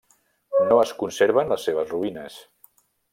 No es conserven les seves ruïnes.